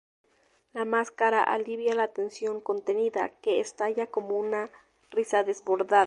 La máscara alivia la tensión contenida, que estalla como una risa desbordada".